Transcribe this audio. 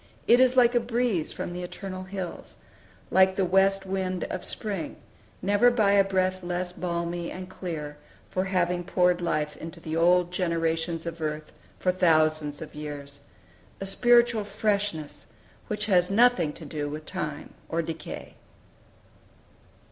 It is like a breeze from the eternal hills; like the west wind of spring, never by a breath less balmy and clear for having poured life into the old generations of earth for thousands of years; a spiritual freshness, which has nothing to do with time or decay.